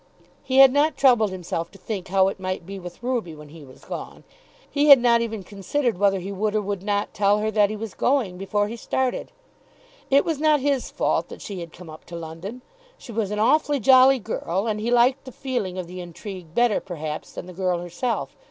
He had not troubled himself to think how it might be with Ruby when he was gone. He had not even considered whether he would or would not tell her that he was going, before he started. It was not his fault that she had come up to London. She was an "awfully jolly girl," and he liked the feeling of the intrigue better perhaps than the girl herself.